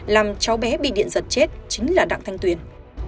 làm cháu bé bị điện giật chết chính là đặng thanh tuyền